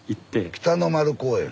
北の丸公園。